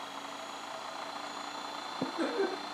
His Olympics career finished with one Gold and two silver medals.